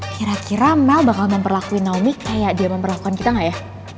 kira kira mel bakal memperlakuin naomi kayak dia memperlakukan kita gak ya